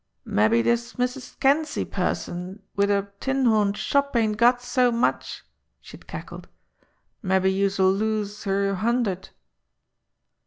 "Mabbe dis Mrs. Kinsey person wid her tin horn shop ain't got so much!" she had cackled. "Mabbe youse'll lose yer hundred!"